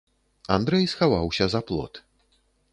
Андрэй схаваўся за плот.